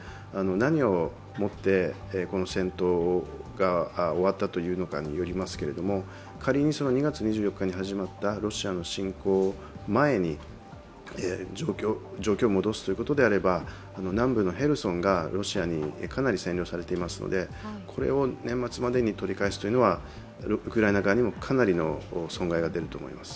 何をもってこの戦闘が終わったというのかによりますけれども、仮に２月２４日に始まったロシアの侵攻前に状況を戻すということであれば南部のヘルソンがロシアにかなり占領されていますのでこれを年末までに取り返すというのはウクライナ側にもかなりの損害が出ると思います。